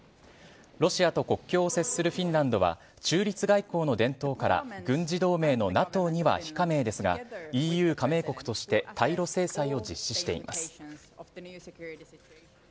ロシアと国境を接するフィンランドは、中立外交の伝統から軍事同盟のＮＡＴＯには非加盟ですが、ＥＵ加盟国として対ロ制裁を実施しています。